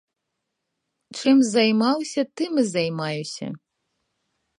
Чым займаўся, тым і займаюся.